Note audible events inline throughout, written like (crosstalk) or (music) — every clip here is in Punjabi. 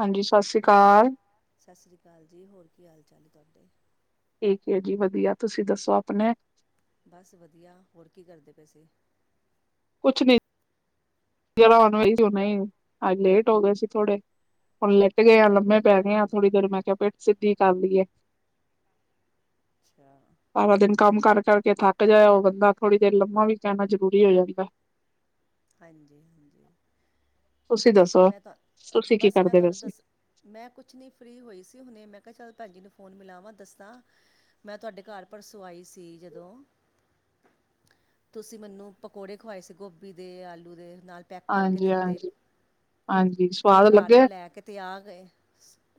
ਹਾਂਜੀ ਸਤਿ ਸ੍ਰੀ ਅਕਾਲ। ਸਤਿ ਸ਼੍ਰੀ ਅਕਾਲ ਜੀ ਹੋਰ ਕੀ ਹਾਲ ਚਾਲ ਹੈ ਤੁਹਾਡੇ ਠੀਕ ਹੈ ਜੀ ਵਧੀਆ ਤੁਸੀਂ ਦੱਸੋ ਆਪਣੇ ਬਸ ਵਧੀਆ ਹੋਰ ਕੀ ਕਰਦੇ ਪਏ ਸੀ। ਕੁਛ ਨੀ ਜਰਾ ਆਣ ਵਾਲੀ ਸੀ ਹੁਣੇ ਅੱਜ ਲੇਟ ਹੋ ਗਏ ਸੀ ਥੋੜੇ ਹੁਣ ਲੇਟ ਗਏ ਆ ਲੰਮੇ ਪੈ ਗਏ ਆ ਹਾਂਜੀ ਥੋੜ੍ਹੀ ਦੇਰ ਮੈਂ ਕਿਹਾ ਪਿੱਠ ਸਿੱਧੀ ਕਰ ਲਈਏ। ਅੱਛਾ ਸਾਰਾ ਦਿਨ ਕੰਮ ਕਰ ਕਰਕੇ ਥੱਕ ਜਾਏ ਉਹ ਬੰਦਾ ਥੋੜੀ ਦੇਰ ਲੰਮਾ ਵੀ ਪੈਣਾ ਜਰੂਰੀ ਹੋ ਜਾਂਦਾ ਐ। ਹਾਂਜੀ ਹਾਂਜੀ। ਤੁਸੀਂ ਦੱਸੋ ਮੈਂ ਤਾਂ, ਤੁਸੀਂ ਕੀ ਬਸ ਮੈਂ ਕਰਦੇ ਤੁਹਾਨੂੰ ਵੈਸੇ ਦੱਸਣਾ। ਮੈਂ ਕੁਛ ਨਹੀਂ ਫਰੀ ਹੋਈ ਸੀ ਹੁਣੇ ਮੈਂ ਕਿਹਾ ਚੱਲ ਭੈਣ ਜੀ ਨੂੰ ਫੋਨ ਮਿਲਾਵਾਂ ਦਸਾਂ। ਮੈਂ ਤੁਹਾਡੇ ਘਰ ਪਰਸੋਂ ਆਈ ਸੀ ਜਦੋਂ। ਤੁਸੀਂ ਮੈਨੂੰ ਪਕੌੜੇ ਖਵਾਏ ਸੀ ਗੋਭੀ ਦੇ, ਆਲੂ ਦੇ, ਨਾਲ ਪੈਕ ਕਰਕੇ ਹਾਂਜੀ ਦਿੱਤੇ ਹਾਂਜੀ, ਹਾਂਜੀ। ਸਵਾਦ ਘਰ ਮੈਂ ਲੱਗੇ ਲੈ ਕੇ ਤੇ ਆ ਗਏ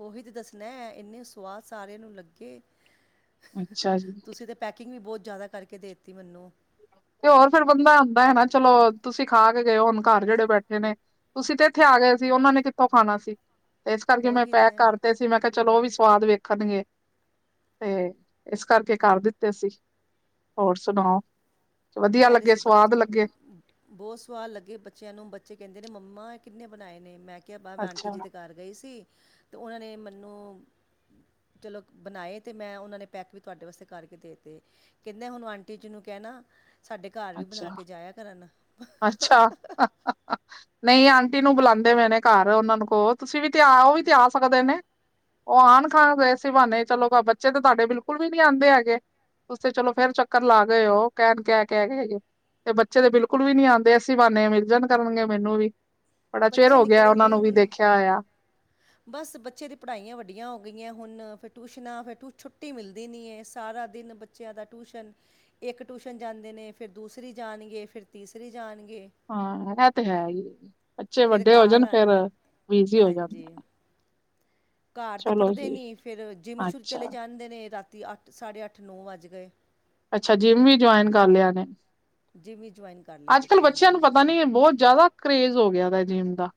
ਓਹੀ ਤੇ ਦੱਸਣਾ ਐ ਇੰਨੇ ਸਵਾਦ ਸਾਰਿਆਂ ਨੂੰ ਲੱਗੇ। ਅੱਛਾ ਜੀ ਤੁਸੀਂ ਤੇ ਪੈਕਿੰਗ ਵੀ ਬਹੁਤ ਜ਼ਿਆਦਾ ਕਰਕੇ ਦੇ ਤੀ ਮੈਨੂੰ। ਤੇ ਹੋਰ ਫੇਰ ਬੰਦਾ ਮੇ ਨਾ ਚਲੋ ਤੁਸੀਂ ਖਾ ਕੇ ਗਏ ਹੋ ਹੁਣ ਘਰ ਜਿਹੜੇ ਬੈਠੇ ਨੇ ਤੁਸੀਂ ਤੇ ਇੱਥੇ ਆ ਗਏ ਸੀ ਉਹਨਾਂ ਨੇ ਕਿਥੋਂ ਖਾਣਾ ਸੀ ਤੇ ਇਸ ਕਰਕੇ ਮੈਂ ਉਹੀ ਪੈਕ ਤਾਂ ਕਰ ਤੇ ਸੀ। ਮੈਂ ਕਿਹਾ ਚਲੋ ਉਹ ਵੀ ਸਵਾਦ ਵੇਖਣਗੇ। ਤੇ ਇਸ ਕਰਕੇ ਕਰ ਦਿੱਤੇ ਸੀ, ਹੋਰ ਸੁਣਾਓ? ਵਧੀਆ ਕੈ ਰੀ ਲੱਗੇ ਸੀ ਸਵਾਦ ਬੱਚੇ ਲੱਗੇ ਹਮ- ਹਮ। ਬਹੁਤ ਸਵਾਦ ਲੱਗੇ ਬੱਚਿਆਂ ਨੂੰ ਬੱਚੇ ਕਹਿੰਦੇ ਨੇ ਮੰਮਾ ਇਹ ਕਿੰਨੇ ਬਣਾਏ ਨੇ ਮੈਂ ਕਿਹਾ ਬਾ ਮੈਂ ਆਂਟੀ ਅੱਛਾ ਜੀ ਦੇ ਘਰ ਗਈ ਸੀ ਤੇ ਉਹਨਾਂ ਨੇ ਮੈਨੂੰ ਚਲੋ ਕ ਬਣਾਏ ਤੇ ਮੈਂ ਉਹਨਾਂ ਨੇ ਪੈਕ ਵੀ ਤੁਹਾਡੇ ਵਸਤੇ ਕਰਕੇ ਦੇਤੇ। ਕਹਿੰਦੇ ਹੁਣ ਉਹ ਆਂਟੀ ਜੀ ਨੂੰ ਕਹਿਣਾ ਸਾਡੇ ਘਰ ਵੀ ਅੱਛਾ ਬਣਾ ਕੇ ਜਾਇਆ ਕਰਨ। ਅੱਛਾ ਨਹੀਂ ਆਂਟੀ ਨੂੰ ਬੁਲਾਉਂਦੇ ਪਏ ਨੇ ਘਰ ਉਹਨਾਂ ਨੂੰ ਕੋ ਤੁਸੀਂ ਵੀ ਤੇ ਆ, ਉਹ ਵੀ ਤੇ ਆ ਸਕਦੇ ਨੇ। ਓਹ ਆਉਣ ਖਾ ਗਏ ਸੀ ਇਸੀ ਬਹਾਨੇ ਚਲੋ ਬੱਚੇ ਤੇ ਤੁਹਾਡੇ ਬਿਲਕੁਲ ਵੀ ਨੀ ਆਉਂਦੇ ਹੈਗੇ। ਤੂਸੀ ਤੇ ਚਲੋ ਫੇਰ ਚੱਕਰ ਲਾ ਗਏ ਹੋ ਕਹਿਣ ਕੈ ਤੇ ਬੱਚੇ ਦੇ ਬਿਲਕੁਲ ਵੀ ਨੀ ਆਉਂਦੇ ਐਸੀਂ ਬਾਨੇ ਮਿਲ ਜਾਣ ਕਰਨਗੇ ਮੈਨੂੰ ਵੀ। ਬੜਾ ਚਿਰ ਬੱਚੇ ਹੋ ਗਿਆ ਉਹਨਾਂ ਨਿਕਲਦੇ ਹੀ ਨੂੰ ਵੀ ਨਹੀਂ ਦੇਖਿਆ ਹੋਇਆ। ਬਸ ਬੱਚੇ ਦੀ ਪੜਾਈਆਂ ਵੱਡੀਆਂ ਹੋ ਗਈਆਂ ਹੁਣ ਫੇਰ ਟਿਊਸ਼ਨਾਂ ਫੇਰ ਟੁ ਛੁੱਟੀ ਮਿਲਦੀ ਨਹੀਂ ਐ ਸਾਰਾ ਦਿਨ ਬੱਚਿਆਂ ਦਾ ਟਿਊਸ਼ਨ ਇੱਕ ਟਿਊਸ਼ਨ ਜਾਂਦੇ ਨੇ, ਫੇਰ ਦੂਸਰੀ ਜਾਣਗੇ, ਫੇਰ ਤੀਸਰੀ ਜਾਣਗੇ। ਹਾਂ ਏਹ ਤੇ ਹੈ ਹੀ ਏ। ਬੱਚੇ ਫਿਰ ਵੱਡੇ ਹੋ ਘਰ ਜਾਣ ਆ ਫੇਰ, ਬਿਜੀ਼ ਹੋ ਹਾਂਜੀ ਜਾਣਦਾ ਏ। ਘਰ ਤੇ ਪੜਦੇ ਨੀ ਫੇਰ ਜਿੰਮ ਸ਼ੁਰ ਚਲੇ ਅੱਛਾ ਜਾਂਦੇ ਨੇ ਰਾਤੀ ਅੱਠ ਸਾਢੇ ਅੱਠ ਨੌਂ ਵੱਜ ਗਏ ਅੱਛਾ ਜਿੰਮ ਵੀ ਜੁਆਇਨ ਕਰ ਲਿਆ ਨੇ? ਜਿੰਮ ਹੀ ਜੁਆਇਨ ਕਰ ਲਿਆ ਅੱਜ ਕੱਲ ਬੱਚਿਆਂ ਨੇ ਨੂੰ ਪਤਾ ਨੀ ਬਹੁਤ ਜ਼ਿਆਦਾ ਕਰੇਜ਼ ਹੋ ਗਿਆ ਦੇ ਜਿੰਮ ਦਾ।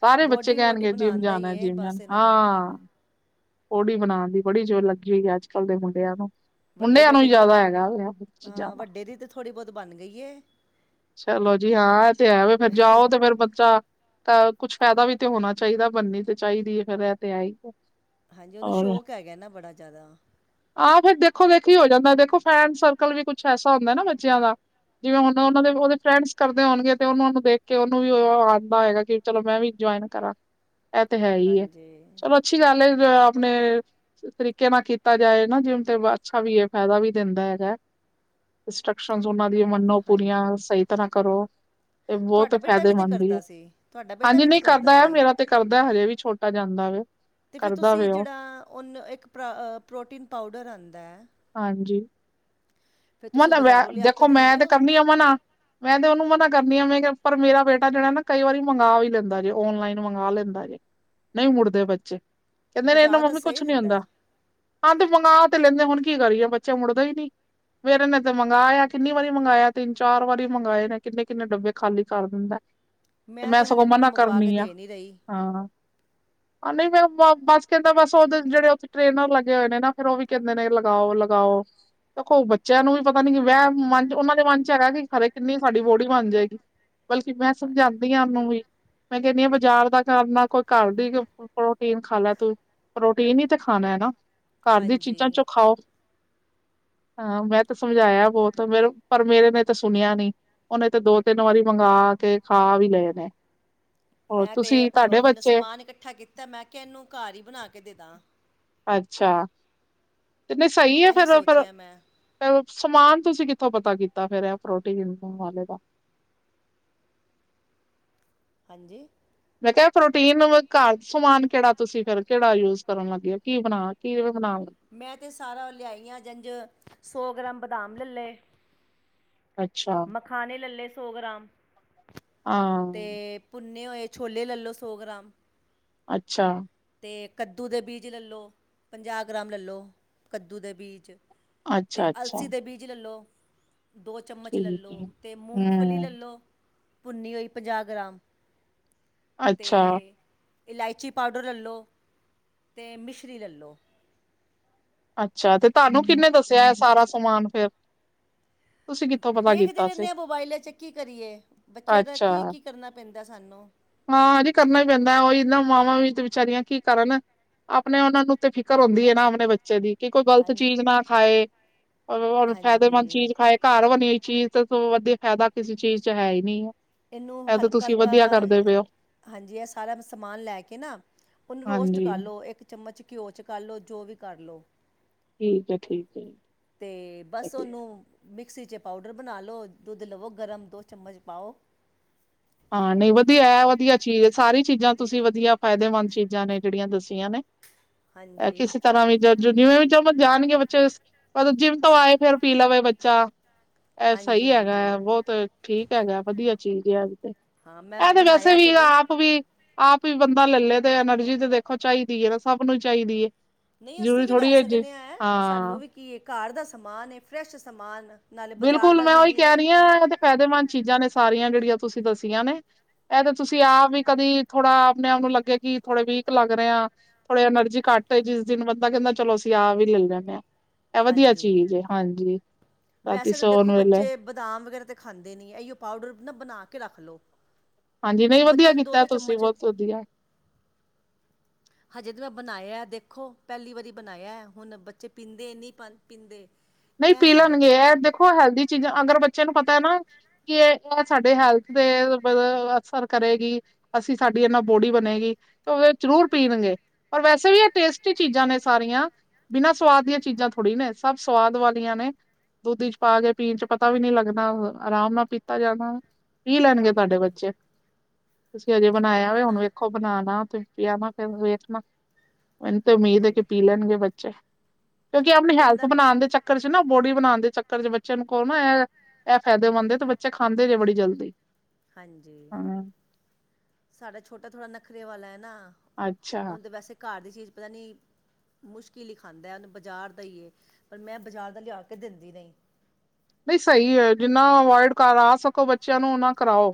ਸਾਰੇ ਬੱਚੇ ਬੋਡੀ ਬੋਡੀ ਕਹਿਣਗੇ ਜਿਮ ਬਣਾਉਣ ਦਾ ਜਾਨਾ ਹੀ ਐ ਹੈ ਜਿਮ ਜਾਨਾ ਬਸ ਐ ਇਹਨਾਂ ਨੂੰ ਹਾਂ। ਬੋਡੀ ਬਣਾਉਣ ਦੀ ਬੜੀ ਜੇਰ ਲੱਗੀ ਹੋਈ ਹੈ ਅੱਜ ਕੱਲ ਦੇ ਮੁੰਡਿਆਂ ਨੂੰ। ਵੱਡੇ ਹੁਣੇ ਓਨੂੰ ਬੇਟੇ ਦੀ ਯਾਦ ਆਏਗਾ। ਥੋੜੀ ਬਹੁਤ ਬਣ ਗਈ ਐ। ਚਲੋ ਜੀ ਹਾਂ ਏ ਤੇ ਹੈ, ਵੇ ਫੇਰ ਜਾਓ ਤੇ ਫੇਰ ਬੱਚਾ ਤਾਂ ਕੁਛ ਫੈਦਾ ਵੀ ਤੇ ਹੋਣਾ ਚਾਹੀਦਾ ਬਣਨੀ ਤੇ ਚਾਹੀਦੀ ਐ ਫੇਰ ਏ ਤੇ ਹੈ ਹੀ ਏ। ਹਾਂਜੀ ਓਹਨੂੰ ਸ਼ੌਕ ਹੈਗਾ ਨਾ ਬੜਾ ਜ਼ਿਆਦਾ। ਆਹ ਫੇਰ ਦੇਖੋ ਵੇਖੀ ਹੋ ਜਾਂਦਾ ਏ ਦੇਖੋ ਫਰੈਂਡ ਸਰਕਲ ਵੀ ਕੁੱਛ ਐਸਾ ਹੁੰਦਾ ਨਾ ਬੱਚਿਆਂ ਦਾ। ਜਿਵੇਂ ਹੁਣ ਉਹਨਾਂ ਦੇ ਵੀ ਓਦੇ ਫਰੈਂਡਸ ਕਰਦੇ ਹੋਣਗੇ ਤੇ ਉਹਣਾ ਨੂੰ ਦੇਖ ਕੇ ਓਹਨੂੰ ਵੀ ਉਹ ਆਉਂਦਾ ਹੋਏਗਾ ਕਿ ਚਲੋ ਮੈਂ ਵੀ ਜੁਆਇਨ ਕਰਾਂ। ਇਹ ਤੇ ਹੈ ਹੀ ਐ ਹਾਂਜੀ ਚਲੋ ਅੱਛੀ ਗੱਲ ਹੈ ਆਪਣੇ ਤਰੀਕੇ ਨਾ ਕੀਤਾ ਜਾਏ ਨਾ ਜਿਮ ਤੇ ਅੱਛਾ ਵੀ ਐ ਫੈਦਾ ਵੀ ਦਿੰਦਾ ਹੈਗਾ ਐ। ਇੰਸਟਰਕਸ਼ਨ ਉਹਨਾਂ ਦੀਆਂ ਮਨੋ ਪੂਰੀਆਂ ਹਾਂਜੀ ਸਹੀ ਤਰਾ ਕਰੋ ਤੇ ਬਹੁਤ ਤੁਹਾਡਾ ਬੇਟਾ ਵੀ ਤੇ ਫੈਦੇਮੰਦ ਹੀ ਐ ਕਰਦਾ ਸੀ ਤੁਹਾਡਾ ਬੇਟਾ ਹਾਂਜੀ ਵੀ ਤੇ ਨਹੀਂ ਕਰਦਾ ਐ ਸੀ ਮੇਰਾ ਤੇ ਕਰਦਾ ਐ ਹਜੇ ਵੀ ਛੋ। (unintelligible) ਤਾ ਜਾਂਦਾ ਵੇ ਤੇ ਫੇਰ ਕਰਦਾ ਤੁਸੀਂ ਵੇ ਉਹ ਜਿਹੜਾ ਉਹਨੂੰ ਇੱਕ ਪੋ੍ ਅ ਪ੍ਰੋਟੀਨ ਪਾਊਡਰ ਆਉਂਦਾ ਹੈ ਹਾਂਜੀ ਫਿਰ ਤੁਸੀਂ ਬਾਜ਼ਾਰੋਂ (unintelligible) ਲਿਆ ਕੇ ਦੇਖੋ ਮੈਂ ਦਿੰਦੇ ਤੇ ਹੋ ਕਰਨੀ ਆ ਮਨਾ ਮੈਂ ਤੇ ਉਹਨੂੰ ਮਨਾ ਕਰਨੀ ਆ ਮੈਂ ਕਿਆ ਪਰ ਮੇਰਾ ਬੇਟਾ ਜਿਹੜਾ ਨਾ ਕਈ ਵਾਰੀ ਮੰਗਵਾ ਵੀ ਲੈਂਦਾ ਜੇ ਓਨਲਾਈਨ ਮੰਗਾ ਲੈਂਦਾ ਜੇ ਨਹੀਂ ਮੁੜਦੇ ਬੱਚੇ ਤੇ ਕਹਿੰਦੇ ਨੇ ਇਹਦੇ ਬਾਜ਼ਾਰ ਨਾ ਦਾ ਮੰਮੀ ਸਹੀ ਕੁੱਛ ਨੀ ਦਿੰਦਾ ਹੁੰਦਾ ਹੈ ਹਾਂ ਤੇ ਮੰਗਾ ਤੇ ਲੈਂਦੇ ਹੁਣ ਕੀ ਕਰੀਏ ਬੱਚੇ ਮੁੜਦੇ ਹੀ ਨੀ ਮੇਰੇ ਨੇ ਤੇ ਮੰਗਾਇਆ ਕਿੰਨੀ ਵਾਰੀ ਮੰਗਾਇਆ ਤਿੰਨ ਚਾਰ ਵਾਰੀ ਮੰਗਾਏ ਨੇ ਕਿੰਨੇ ਕਿੰਨੇ ਡੱਬੇ ਖਾਲੀ ਕਰ ਦਿੰਦਾ ਤੇ ਮੈਂ ਹਾਲੇ ਸਗੋਂ ਇਹਨਾਂ ਨੂੰ ਮਨਾ ਮੰਗਵਾ ਕੇ ਕਰਨੀ ਆ ਦੇ ਨਹੀਂ ਰਹੀ ਹਾਂ ਆ ਨਹੀਂ ਮੈਂ ਬ ਬਸ ਕਹਿੰਦਾ ਬਸ ਉਹਦੇ ਜਿਹੜੇ ਉੱਥੇ ਟ੍ਰਰੇਨਰ ਲੱਗੇ ਹੋਏ ਨੇ ਨਾ ਫੇਰ ਉਹ ਵੀ ਕਹਿੰਦੇ ਨੇ ਲਗਾਓ ਲਗਾਓ ਦੇਖੋ ਬੱ ਚਿਆਂ ਨੂੰ ਵੀ ਪਤਾ ਨੀ ਕੀ ਵੈਮ ਮਨ ਚ ਉਹਨਾਂ ਦੇ ਮਨ ਚ ਹੈਗਾ ਕਿ ਖਰੇ ਕਿੰਨੀ ਸਾਡੀ ਬੋਡੀ ਬਣ ਜੇਗੀ ਬਲਕਿ ਮੈਂ ਹਾਂ ਸਮਝਾ, ਨੂੰ ਵੀ ਮੈਂ ਕਹਿੰਦੀ ਹਾਂ ਬਾਜ਼ਾਰ ਦਾ ਕਰਨਾ ਕੋਈ ਘਰ ਦੀ ਪ੍ਰੋਟੀਨ ਖਾ ਲੈ ਤੂੰ ਪ੍ਰੋਟੀਨ ਹੀ ਤੇ ਖਾਣਾ ਹੈ ਨਾ ਘਰ ਦੀ ਹਾਂਜੀ ਚੀਜ਼ਾਂ ਚੋਂ ਖਾਓ। ਹਾਂ ਮੈਂ ਤੇ ਸਮਝਾਇਆ ਬਹੁਤ ਮੇ ਪਰ ਮੇਰੇ ਨੇ, ਤੇ ਸੁਣਿਆ ਨੀ ਉਹਨੇ ਤਾਂ ਦੋ ਤਿੰਨ ਵਾਰੀ ਮੰਗਵਾ ਕੇ ਖਾ ਵੀ ਲਏ ਨੇ, ਹੋਰ ਮੈਂ ਤੇ ਤੁਸੀਂ ਤੁਹਾਡੇ ਹੁਣ ਬੱਚੇ ਸਮਾਨ ਇਕੱਠਾ ਕੀਤਾ ਮੈਂ ਕਿਹਾ ਇਹਨੂੰ ਘਰ ਹੀ ਬਣਾ ਕੇ ਦੇਦਾ। ਅੱਛਾ ਤੇ ਨਹੀਂ ਸਹੀ ਹੈ ਇਹੀ ਫਿਰ ਫਿਰ, ਸੋਚਿਆ ਮੈਂ ਸਮਾਨ ਤੁਸੀਂ ਕਿੱਥੋਂ ਪਤਾ ਕੀਤਾ ਫੇਰ ਆ ਪ੍ਰੋਟੀਨ ਵਾਲੇ ਦਾ, ਹਾਂਜੀ, ਮੈਂ ਕਿਹਾ ਪ੍ਰੋਟੀਨ ਘਰ ਸਮਾਨ ਕਿਹੜਾ ਤੁਸੀਂ ਫਿਰ ਕਿਹੜਾ ਯੂਜ ਕਰਨ ਲੱਗੇ ਹੋ ਕੀ ਬਣਾ ਕੀਂ ਬਣਾਉਣ ਲੱਗੇ ਮੈਂ ਤਾਂ ਸਾਰਾ ਲਿਆਈਆਂ ਜੰਝ ਸੌ ਗ੍ਰਾਮ ਬਦਾਮ ਲ ਲਏ, ਅੱਛਾ ਖਾਣ ਲਈ ਲਲੇ ਸੌ ਗ੍ਰਾਮ ਹਾਂ ਤੇ ਭੁੰਨੇ ਹੋਏ ਛੋਲੇ ਲੈ ਲਓ ਸੌ ਗ੍ਰਾਮ, ਅੱਛਾ, ਤੇ ਕੱਦੂ ਦੇ ਬੀਜ ਲੈ ਲਓ ਪੰਜਾਹ ਗ੍ਰਾਮ ਲੈ ਲਓ ਕੱਦੂ ਦੇ ਬੀਜ, ਅਤੇ ਅੱਛਾ ਅੱਛਾ ਅਲਸੀ ਦੇ ਬੀਜ ਲੈ ਲਓ, ਦੋ ਚਮਚ ਲੈ ਠੀਕ ਲਓ ਹੈ ਅਤੇ ਮੂੰਗਫਲੀ ਹਮ ਲੈ ਲਓ,, ਭੁੰਨੀ ਹੋਈ ਪੰਜਾਹ ਗ੍ਰਾਮ ਅਤੇ ਅੱਛਾ ਇਲਾਇਚੀ, ਪਾ ਲੈ ਲਓ ਅਤੇ ਮਿਸ਼ਰੀ ਲੈ ਲਓ, ਅੱਛਾ ਤੇ ਤੁਹਾਨੂੰ ਕਿੰਨੇ ਦੱਸਿਆ ਹੈ ਸਾਰਾ ਸਮਾਨ ਫੇਰ, ਤੁਸੀਂ ਕਿੱਥੋਂ ਪਤਾ ਦੇਖਦੇ ਕੀਤਾ ਰਹਿੰਦੇ ਸੀ ਹਾਂ ਮੋਬਾਈਲਾਂ ਚ ਕੀ ਕਰੀਏ ਬੱਚਿਆਂ ਦਾ ਅੱਛਾ ਕੀ ਕੀ ਕਰਨਾ ਪੈਂਦਾ ਸਾਨੂੰ ਹਾਂ ਜੀ ਕਰਨਾ ਹੀ ਪੈਂਦਾ ਉਹੀ ਨਾ ਮਾਵਾਂ ਵੀ ਤੇ ਵਿਚਾਰੀਆਂ ਕੀ ਕਰਨ, ਆਪਣੇ ਉਹਨਾਂ ਨੂੰ ਤੇ ਫਿਕਰ ਹੁੰਦੀ ਹੈ ਨਾ ਆਪਣੇ ਬੱਚਿਆਂ ਦੀ ਕਿ ਕੋਈ ਗ਼ਲਤ ਹਾਂਜੀ ਚੀਜ਼ ਨਾ ਖਾਏ ਔਰ ਫਾਇਦੇਮੰਦ ਹਾਂਜੀ ਚੀਜ਼ ਖਾਏ, ਘਰ ਬਣੀ ਚੀਜ਼ ਵਧੀ ਫਾਇਦਾ ਕਿਸੇ ਚੀਜ਼ ਚ ਹੈ ਹੀ ਨਹੀਂ ਹੈ ਇਹਨੂੰ ਇਹ ਤਾਂ ਹਲਕਾ ਤੁਸੀਂ ਹਲਕਾ, ਵਧੀਆ ਕਰਦੇ ਪਏ ਹੋ ਹਾਂਜੀ ਇਹ ਸਾਰਾ ਸਮਾਨ ਲੈ ਕੇ ਨਾ ਉਹਨੂੰ ਰੋਸਟ ਹਾਂਜੀ ਕਰ ਲੋ ਇੱਕ, ਚਮਚ ਘਿਓ ਚ ਕਰ ਲੋ ਜੋ ਵੀ ਕਰਲੋ, ਠੀਕ ਹੈ ਠੀਕ ਤੇ ਬਸ ਹੈ। ਉਹਨੂੰ, ਮਿਕਸੀ ਚ ਪਾਊਡਰ ਬਣਾ ਲ ਲੋ ਦੁੱਧ ਲਵੋ ਗਰਮ ਦੋ ਚਮਚ ਪਾਓ, ਹਾਂ ਨਹੀਂ ਵਧੀਆ ਵਧੀਆ ਚੀਜ਼ ਸਾਰੀ ਚੀਜ਼ਾਂ ਤੁਸੀਂ ਵਧੀਆ ਫਾਇਦੇਮੰਦ ਚੀਜ਼ਾਂ ਨੇ ਜਿਹੜੀਆਂ ਦੱਸੀਆਂ ਨੇ ਹਾਂਜੀ ਕਿਸੇ ਤਰ੍ਹਾਂ ਵੀ ਜਿਵੇਂ ਵੀ ਜਾਣਗੇ ਬੱਚੇ, ਜਦੋਂ ਜਿੰਮ ਤੋਂ ਆਏ ਫੇਰ ਪੀ ਲਵੇ ਬੱਚਾ, ਇਹ ਹਾਂਜੀ ਸਹੀ ਹੈਗਾ ਹਾਂਜੀ ਹੈ ਬਹੁਤ ਠੀਕ ਹੈਗਾ ਐ, ਵਧੀਆ ਚੀਜ਼ ਆ, ਹਾਂ ਮੈਂ ਇਹ ਤੇ ਵੈਸੇ ਬਣਾਇਆ ਵੀ ਤੇ ਇਹ ਵੇ ਆਪ, ਆਪ ਵੀ ਆਪ ਹੀ ਬੰਦਾ ਲੈ ਲਏ ਤੇ ਐਨਰਜੀ ਤੇ ਦੇਖੋ ਚਾਹੀਦੀ ਹੈ ਨਾ, ਸਭ ਨੂੰ ਹੀ ਚਾਹੀਦੀ ਹੈ ਨਹੀਂ ਜ਼ਰੂਰੀ ਅਸੀਂ ਵੀ ਲੈ ਥੋੜ੍ਹੀ ਹੈ ਜੇ ਸਕਨੇ ਐ, ਹਾਂ ਸਾਨੂੰ ਵੀ ਕੀ ਹੈ ਘਰ ਦਾ ਸਮਾਨ ਹੈ ਫਰੈਸ਼ ਸਮਾਨ, ਨਾਲੇ ਬਾਜ਼ਾਰ ਬਿਲਕੁਲ ਦਾ ਮੈਂ ਵੀ ਉਹੀ ਨਹੀਂ ਕਹਿ ਹੈ ਰਹੀ ਹਾਂ ਫਾਇਦੇਮੰਦ ਚੀਜ਼ਾਂ ਨੇ ਸਾਰੀਆਂ ਜਿਹੜੀਆਂ ਤੁਸੀਂ ਦੱਸੀਆਂ ਨੇ ਇਹ ਤੇ ਤੁਸੀਂ ਆਪ ਵੀ ਕਦੀ ਥੋੜਾ ਆਪਣੇ ਆਪ ਨੂੰ ਲੱਗੇਿਆ ਕਿ ਥੋੜੇ ਵੀਕ ਲੱਗ ਰਹੇ ਆ, ਥੋੜੇ ਐਨਰਜੀ ਘੱਟ ਹੋਈ ਜਿਸ ਦਿਨ ਬੰਦਾ ਕਹਿੰਦਾ ਚਲੋ ਅਸੀਂ ਆਹ ਵੀ ਲੈ ਲੈਂਦੇ ਹਾਂ ਇਹ ਵਧੀਆ ਹਾਂਜੀ ਚੀਜ਼ ਹੈ ਹਾਂਜੀ, ਰਾਤੀ ਵੈਸੇ ਤੇ ਸੌਣ ਦੇਖੋ ਵੇਲੇ ਬੱਚੇ ਬਦਾਮ ਵਗੈਰਾ ਤਾਂ ਖਾਂਦੇ ਨਹੀਂ ਇਹੀਓ ਪਾਊਡਰ ਨਾ ਬਣਾ ਕੇ ਰੱਖ ਲੋ ਹਾਂਜੀ ਨਹੀਂ ਵਧੀਆ ਕੀਤਾ ਤੁਸੀਂ ਬਹੁਤ ਵਧੀਆ, ਹ (unintelligible) ਹਜੇ ਤੇ ਮੈਂ ਬਣਾਇਆ ਦੇਖੋ ਪਹਿਲੀ ਵਾਰੀ ਬਣਾਇਆ ਹੁਣ ਬੱਚੇ ਪੀਂਦੇ ਨਹੀਂ ਪੀਂਦੇ ਨਹੀਂ ਇਹ ਪੀ ਹਾਲੇ ਲੈਣਗੇ, ਪ- ਇਹ ਦੇਖੋ ਹੈਲਦੀ ਚੀਜ਼ਾਂ ਅਗਰ ਬੱਚੇ ਨੂੰ ਪਤਾ, ਪਰ ਤਾਂ ਨਾ ਕਿ ਇਹ ਇਹ ਸਾਡੇ ਹੈਲਥ ਦੇ ਮਤਲਬ ਅਸਰ ਕਰੇਗੀ ਅਸੀਂ ਸਾਡੀ ਇਹਦੇ ਨਾਲ ਬੋਡੀ ਬਣੇਗੀ ਤੇ ਉਹਦੇ ਜ਼ਰੂਰ ਪੀਣਗੇ ਪਰ ਵੈਸੇ ਵੀ ਇਹ ਟੇਸਟੀ ਚੀਜ਼ਾਂ ਨੇ ਸਾਰੀਆਂ, ਬਿਨਾਂ ਸਵਾਦ ਦੀਆਂ ਚੀਜ਼ਾਂ ਥੋੜ੍ਹੀ ਨੇ ਸਭ, ਸਵਾਦ ਵਾਲੀਆਂ ਨੇ ਦੁੱਧ ਚ ਪਾ ਕੇ ਪੀਣ ਚ ਪਤਾ ਵੀ ਨੀ ਲੱਗਣਾ ਆਰਾਮ ਨਾਲ ਪੀਤਾ ਜਾਣਾ। ਪੀ ਲੈਣਗੇ ਤੁਹਾਡੇ ਹਾਂਜੀ ਬੱਚੇ, ਤੁਸੀਂ ਹਜੇ ਦੇਖੋ ਬਣਾਆ ਹੋ ਹੁਣ ਬਣਾਏ ਵੇਖੋ ਬਣਾਣਾ ਤੇ ਪੀਆਣਾ ਫੇਰ ਵੇਖਣਾ ਉਹਨੂੰ ਤੇ ਉਮੀਦ ਹੈ, ਹਾਂਜੀ ਕਿ ਪੀ ਲੈਣਗੇ ਬੱਚੇ। ਕਿਉਂਕਿ ਆਪਣੀ ਹੈਲਥ ਕਹਿੰਦਾ ਬਣਾਉਣ ਦੇ ਚੱਕਰ ਚ ਨਾ ਬੋਡੀ ਬਣਾਉਣ ਦੇ ਚੱਕਰ ਚ, ਬੱਚਿਆਂ ਕੋਲ ਨਾ ਇਹ ਇਹ ਫਾਇਦੇਮੰਦ ਤੇ ਬੱਚੇ ਖਾਂਦੇ ਨੇ ਬੜੀ ਜਲਦੀ। ਹਾਂਜੀ, ਹਾਂ ਸਾਡਾ ਛੋਟਾ ਥੋੜ੍ਹਾ ਨਖਰੇ ਵਾਲਾ ਹੈ ਨਾ। ਅੱਛਾ ਓਨੁ ਤੇ ਵੈਸੇ ਘਰ ਦੀ ਚੀਜ਼ ਪਤਾ ਨੀ ਮੁਸ਼ਕਿਲ ਹੀ ਖਾਂਦਾ। ਉਹਨੂੰ ਬਾਜ਼ਾਰ ਦਾ ਹੀ ਏ ਪਰ ਮੈਂ ਬਾਜ਼ਾਰ ਦਾ ਲਿਆ ਕੇ ਦਿੰਦੀ ਨਹੀਂ। ਨਹੀਂ ਸਹੀ ਹੈ, ਜਿੰਨਾ ਅਵੋਇਡ ਕਰਾ ਸਕੋ ਬੱਚਿਆਂ ਨੂੰ ਓਨਾ ਕਰਾਓ।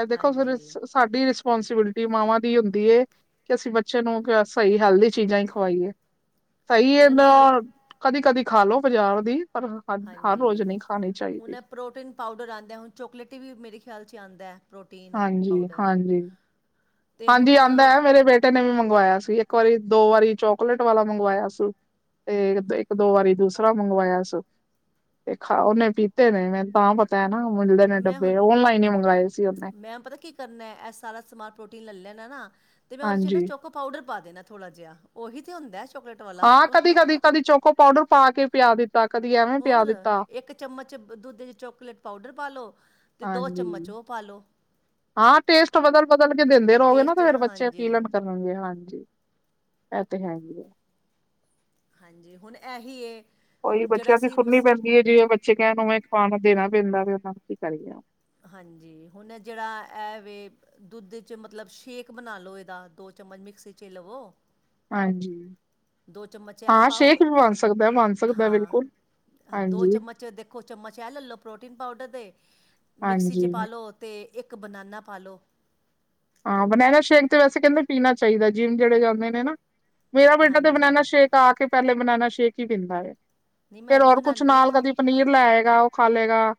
ਏ ਦੇਖੋ ਫਿਰ ਹਾਂਜੀ ਸਾਡੀ ਰਿਸਪੋਂਸੀਬਿਲਿਟੀ ਮਾਵਾਂ ਦੀ ਹੁੰਦੀ ਏ। ਕਿ ਅਸੀਂ ਬੱਚੇ ਨੂੰ ਸਹੀ ਹੈਲਦੀ ਚੀਜ਼ਾਂ ਹੀ ਖਵਾਈਏ। ਸਹੀ ਇਹ ਇਹਨਾਂ ਨੂੰ ਫਲੇ ਨਾ ਕਦੀ- ਕਦੀ ਖਾ ਲੋ ਬਾਜ਼ਾਰ ਦੀ ਪਰ ਹਰ ਹਾਂਜੀ ਰੋਜ਼ ਨਹੀਂ ਖਾਣੀ ਹੁਣ ਚਾਹੀਦੀ ਏ ਪ੍ਰੋਟੀਨ ਪਾਊਡਰ ਆਉਂਦੇ ਹੁਣ ਚੋਕਲੇਟ ਹੀ ਵੀ ਮੇਰੇ ਖਿਆਲ 'ਚ ਆਉਂਦਾ। ਪ੍ਰੋਟੀਨ ਹਾਂਜੀ ਪਾਊਡਰ ਹਾਂਜੀ ਅਤੇ ਹਾਂਜੀ ਹੁਣ ਆਉਂਦਾ ਹੈ, ਮੇਰੇ ਬੇਟੇ ਨੇ ਵੀ ਮੰਗਵਾਇਆ ਸੀ, ਇੱਕ ਵਾਰੀ ਦੋ ਵਾਰੀ ਚੋਕਲੇਟ ਵਾਲਾ ਮੰਗਵਾਇਆ ਸੀ। ਤੇ ਇੱਕ ਦੋ ਵਾਰੀ ਦੂਸਰਾ ਮੰਗਵਾਇਆ ਸੀ। ਤੇ ਖਾ ਉਹਨੇ ਪੀਤੇ ਨੇ, ਮੈਨੂੰ ਤਾਂ ਪਤਾ ਹੈ ਨਾ, ਮਿਲਦੇ ਨੇ ਮੈਂ ਡੱਬੇ ਹੁਣ ਓਨਲਾਈਨ ਹੀ ਮੰਗਵਾਏ ਸੀ ਉਹਨੇ ਮੈਂ ਪਤਾ ਕੀ ਕਰਨਾ ਮੈਂ ਸਾਰਾ ਸਮਾਨ ਪ੍ਰੋਟੀਨ ਲੈ ਲੈਣਾ ਨਾ ਤੇ ਮੈਂ ਉਹਦੇ ਚ ਨਾ ਹਾਂਜੀ ਚੋਕ ਉਪਰ ਪਾਊਡਰ ਪਾ ਦੇਣਾ ਥੋੜਾ ਜਿਹਾ ਉਹੀ ਤੇ ਹੁੰਦੇ ਏ ਹਾਂ ਕਦੀ, ਕਦੀ, ਕਦੀ ਚੋਕੋ ਪਾਊਡਰ ਪਾ ਕੇ ਪਿਆ ਦਿੱਤਾ। ਕਦੀ ਇਹ ਹੋਰ ਇੱਕ ਚਮਚ ਦੁੱਧ ਚ ਚਾਕਲੇਟ ਪਾਊਡਰ ਪਾਲੋ। ਤੇ ਦੋ ਹਾਂਜੀ ਚਮਚ ਉਹ ਪਾ ਲਓ। ਹਾਂ ਟੇਸਟ ਬਦਲ, ਬਦਲ ਕੇ ਦਿੰਦੇ ਰਹੋਗੇ ਨਾ ਟੇਸਟ ਤੇ ਫੇਰ ਬੱਚੇ ਹਾਂਜੀ ਪੀ ਲੈਣਗੇ ਹਾਂਜੀ ਹਾਂਜੀ ਇਹ ਤੇ ਹੈਗੀ ਏ। ਹਾਂਜੀ ਹੁਣ ਏਹੀ ਏ। ਔਹੀ ਹੁਣ ਜਿਹੜਾ ਬੱਚਿਆਂ ਦੀ ਅਸੀਂ ਸੁਣਨੀ ਮਸ ਪੈਂਦੀ ਹੈ, ਜਿਵੇ ਬੱਚੇ ਕਹਿਣ ਊੰਵੇ ਖਾਣਾ ਦੇਣਾ ਪੈਂਦਾ ਵੇ ਉਹਨਾ ਨੂ ਕੀ ਕਰੀਏ। ਹਾਂਜੀ, ਹੁਣ ਜਿਹੜਾ ਏਹ ਵੇ ਦੁੱਧ 'ਚ ਮਤਲਬ ਸ਼ੇਕ ਬਣਾ ਲਓ ਇਹਦਾ ਦੋ ਚਮਚ ਮਿਕਸੀ ਚ ਲਵੋ ਹਾਂਜੀ, ਦੋ ਚਮਚ ਇਹ ਹਾਂ ਪਾਓ ਸ਼ੇਕ ਵੀ ਬਣ ਸਕਦਾ ਬਣ ਸਕਦਾ ਬਿਲਕੁਲ। ਹਾਂ ਦੋ ਹਾਂਜੀ ਚਮਚ ਦੇਖੋ ਚਮਚ ਇਹ ਲੈ ਲਓ ਪ੍ਰੋਟੀਨ ਪਾਊਡਰ ਦੇ ਤੇ ਮਿਕਸੀ 'ਚ ਹਾਂਜੀ ਪਾ ਲੋ ਤੇ ਇੱਕ ਬਨਾਨਾ ਪਾ ਲਓ ਹਾਂ ਬਨੈਨਾ ਸ਼ੇਕ ਤੇ ਵੈਸੇ ਕਹਿੰਦੇ ਪੀਣਾ ਚਾਹੀਦਾ ਜਿੰਮ ਜਿਹੜੇ ਜਾਂਦੇ ਨੇ ਨਾ ਮੇਰਾ ਬੇਟਾ ਤੇ ਹਾਂਜੀ ਬਨੈਨਾ ਨਹੀਂ ਸ਼ੇਕ ਆ ਕੇ ਪਹਿਲੇ ਬਨਾਨਾ ਸ਼ੇਕ ਹੀ ਪੀਂਦਾ ਏ, ਮੈਂ ਫੇਰ ਵੀ ਹੋਰ ਕੁਛ ਬਣਾਉਂਦੀ ਨਾਲ ਹਾਂ ਕਦੀ ਪਨੀਰ ਲੈ ਏਗਾ ਉਹ, ਖਾ ਲੇਗਾ,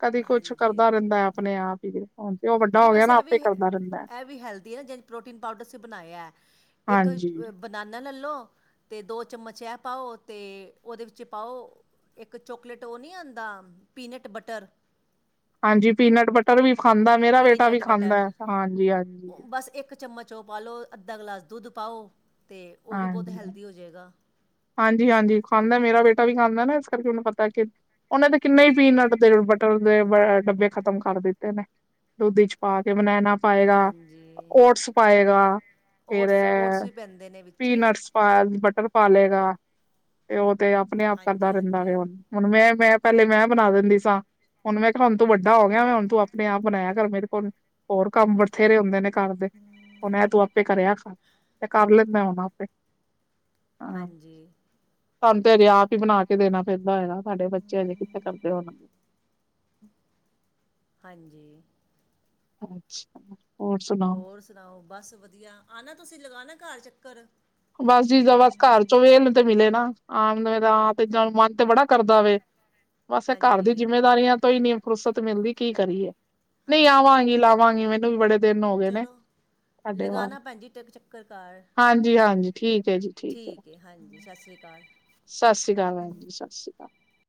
ਕਦੀ ਕੁਛ ਹਾਂਜੀ ਕਰਦਾ ਰਹਿੰਦਾ ਹੈ ਆਪਣੇ ਆਪ ਹੀ ਹੂਣ ਤੇ ਔਹ ਵੱਡਾ ਹੋ ਗਿਆ ਨਾ ਆਪੇ ਹੀ ਕਰਦਾ ਰਹਿੰਦਾ। ਏਹ ਵੀ ਹੈਲਦੀ ਹੈ, ਜੇ ਪ੍ਰੋਟੀਨ ਪਾਊਡਰ ਤੁਸੀ ਬਣਾਇਆ ਇੱਕ, ਹਾਂਜੀ ਬਨਾਨਾ ਲੈ ਲਓ, ਤੇ ਦੋ ਚਮਚ ਇਹ ਹੈ, ਪਾਓ ਤੇ ਉਹਦੇ ਵਿੱਚ ਪਾਔ ਇੱਕ ਚੋਕਲੇਟ ਉਹ ਨਹੀਂ ਆੰਦਾ ਪੀਨਟ ਬਟਰ, ਹਾਂਜੀ ਪੀਨਟ ਬਟਰ ਵੀ ਖਾਂਦਾ, ਮੇਰਾ ਬੇਟਾ ਵੀ ਪੀਨਟ ਖਾਂਦਾ ਬਟਰ ਹਾਂਜੀ, ਹਾਂਜੀ। ਉਹ ਬਸ ਇੱਕ ਚਮਚ ਉਹ ਪਾ ਲਉ ਅੱਧਾ ਗਲਾਸ ਦੁੱਧ ਪਾਓ ਤੇ ਉਹ ਵੀ ਬਹੁਤ ਹਾਂਜੀ ਹੈਲਦੀ ਹੋ ਜਾਏਗਾ, ਹਾਂਜੀ, ਹਾਂਜੀ ਖਾਂਦਾ ਮੇਰਾ ਬੇਟਾ ਵੀ ਖਾਂਦਾ ਨਾ ਇਸ ਕਰਕੇ ਮੈਨੂੰ ਪਤਾ ਕੇ ਔਹਨੇ ਤੇ ਕਿੰਨੇ ਹੀ ਪੀਨਟ ਦੇ ਬਟਰ ਦੇ ਅ ਡੱਬੇ ਖ਼ਤਮ ਕਰ ਦਿੱਤੇ ਨੇ। ਦੁਧ ਵਿਚ ਪਾ ਕੇ ਬਨੈਨਾ ਪਾਏਗਾ, ਹਾਂਜੀ ਓਟਸ ਪਾਏਗਾ ਓਟਸ ਫੇਰ--ਆ ਓਟਸ ਵੀ ਪੈਂਦੇ ਨੇ ਵਿੱਚ ਪੀਨਟਸ ਪਾ ਬਟਰ ਪਾ ਲਏਗਾ ਤੇ ਉਹ ਤੇ ਆਪਣੇ ਆਪ ਕਰਦਾ ਹਾਂਜੀ ਰਹਿੰਦਾ ਵੇ ਹਾਂਜੀ ਹੂਨ। ਹੁਣ ਮੈਂ, ਮੈਂ ਪਹਿਲੇ ਮੈਂ ਬਣਾ ਦਿੰਦੀ ਸਾਂ ਹੁਣ ਮੈਂ ਕਿਹਾ ਹੁਣ ਤੂੰ ਵੱਡਾ ਹੋ ਗਿਆ ਮੈਂ ਹੁਣ ਤੂੰ ਆਪਣੇ ਆਪ ਬਣਾਇਆ ਕਰ ਮੇਰੇ ਕੋਲ ਹੋਰ ਕੰਮ ਬ, ਬਥੇਰੇ ਹੁੰਦੇ ਨੇ ਘਰ ਦੇ ਉਹਨੇ ਇਹ ਤੂੰ ਆਪੇ ਕਰਿਆ ਕਰ ਤੇ ਕਰ ਲੈਂਦਾ ਹੂਣ ਆਪੇ, ਪੇ। ਹਾਂਜੀ। ਸਾਨੂੰ ਤੇ ਅਜੇ ਆਪ ਹੀ ਬਣਾ ਕੇ ਦੇਣਾ ਪੈਂਦਾ ਏ ਨਾ। ਸਾਡੇ ਬੱਚੇ ਹਜੇ ਕਿੱਥੇ ਕਰਦੇ ਹੁਨਂ? ਹਾਂਜੀ। ਅੱਛਾ। (unintelligible) ਸੁਣਾਓ ਹੋਰ ਸੁਣਾਓ, ਬਸ ਵਧੀਆ, ਆਨਾ ਤੁਸੀਂ ਲਗਾਨਾ ਘਰ ਚੱਕਰ, ਬਸ ਜੀ, ਜਿੱਦਾ ਬਸ ਘਰ ਚੋਂ ਵੇਲ ਤੇ ਮਿਲੇ ਨਾ, ਆਨ, ਜਾਨ ਤੇ ਮਨ ਤੇ ਬੜਾ ਕਰਦਾ ਵੇ, ਬਸ ਏ ਘਰ ਦੀ ਹਾਂਜੀ ਜਿੰਮੇਦਾਰੀਆਂ ਤੋਂ ਹੀ ਨੀ ਫੁਰਸਤ ਮਿਲਦੀ, ਕੀ ਕਰੀਏ? ਨਹੀਂ ਹਾਂਜੀ ਆਵਾਂਗੀ, ਹਾਂਜੀ ਲਾਵਾਂਗੀ, ਮੈਨੂੰ ਵੀ ਬੜੇ ਦਿਨ ਹੋ ਗਏ ਨੇ, ਚਲੋ ਸਾਡੇ ਵਾ? ਲਗਾਣਾ ਭੈਣ ਜੀ ਟਕ ਚੱਕਰ ਘਰ ਹਾਂਜੀ, ਹਾਂਜੀ, ਠੀਕ ਐ ਜੀ, ਠੀਕ ਐ, ਹਾਂਜੀ, ਸਤਿ ਸ਼ੀਅਕਾਲ। ਸਤ ਸ੍ਰੀ ਅਕਾਲ ਭੈਣ ਜੀ, ਸਤ ਸ੍ਰੀ ਅਕਾਲ।